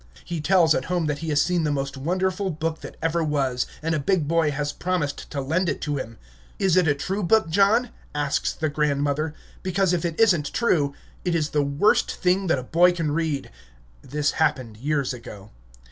He tells at home that he has seen the most wonderful book that ever was, and a big boy has promised to lend it to him. "Is it a true book, John?" asks the grandmother; "because, if it is n't true, it is the worst thing that a boy can read." (This happened years ago.)